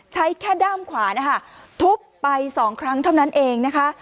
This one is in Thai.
ใช้แค่ด้ามขวานะคะทุบไปสองครั้งเท่านั้นเองนะคะ